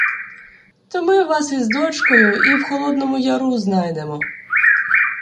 то ми вас із дочкою і в Холодному Яру знайдемо!